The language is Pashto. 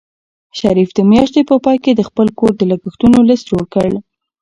شریف د میاشتې په پای کې د خپل کور د لګښتونو لیست جوړ کړ.